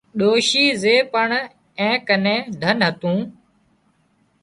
ڏوشيئي زي پڻ اين ڪنين ڌنَ هتون